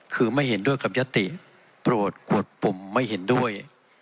คือไม่เห็นด้วยกับยติโปรดขวดปุ่มไม่เห็นด้วย